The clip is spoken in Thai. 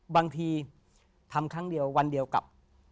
บางทีทำครั้งเดียววันเดียวกับ